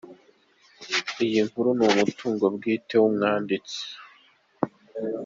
Iyi nkuru ni umutungo bwite w’umwanditsi.